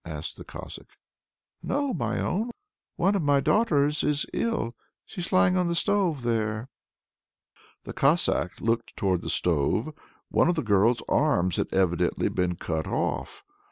asks the Cossack. "No, my own! one of my daughters is ill. She's lying on the stove there." The Cossack looked towards the stove one of the girl's arms had evidently been cut off.